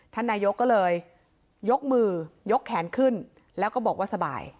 ท่านนายกก็เลยยกมือยกแขนขึ้นแล้วก็บอกว่าสบาย